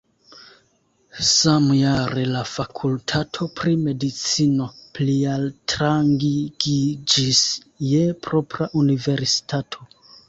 Samjare la fakultato pri medicino plialtrangigiĝis je propra universitato.